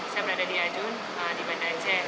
saya berada di ajun di banda aceh